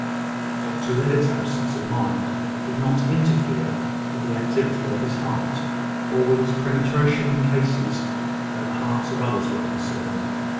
Dr Levitt's absence of mind did not interfere with the activity of his heart, or with his penetration in cases where the hearts of others were concerned.